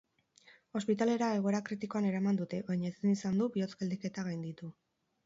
Ospitalera egoera kritikoan eraman dute, baina ezin izan du bihotz-geldiketa gainditu.